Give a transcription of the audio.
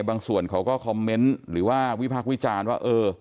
บางส่วนเขาก็คอมเมนต์หรือว่าวิพักษ์วิจารณ์ว่าเออ